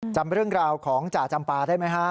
จำเรื่องราวของจ่าจำปาได้ไหมฮะ